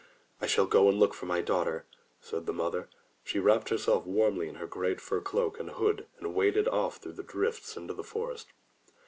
"I shall go and look for my daughter," said the mother. So she wrapped herself warmly in her great fur cloak and hood and waded off through the drifts into the forest.